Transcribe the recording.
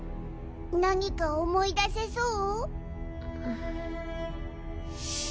何か思い出せそう？